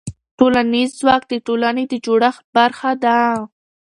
ټولنیز ځواک د ټولنې د جوړښت برخه ده.